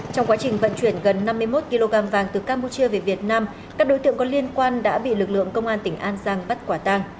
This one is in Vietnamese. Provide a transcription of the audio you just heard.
trong quá trình vận chuyển gần năm mươi một kg vàng từ campuchia về việt nam các đối tượng có liên quan đã bị lực lượng công an tỉnh an giang bắt quả tang